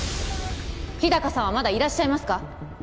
日高さんはまだいらっしゃいますか？